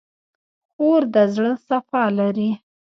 خور د زړه صفا لري.